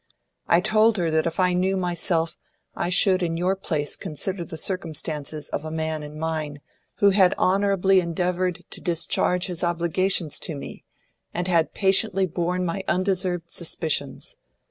I told her that if I knew myself, I should in your place consider the circumstances of a man in mine, who had honourably endeavoured to discharge his obligations to me, and had patiently borne my undeserved suspicions.